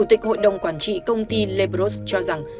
chủ tịch hội đồng quản trị công ty lebros cho rằng